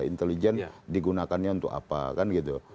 intelijen digunakannya untuk apa kan gitu